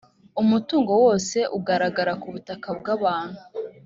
umutungo wose ugaragara ku butaka bw’abantu